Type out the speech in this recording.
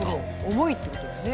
重いってことですね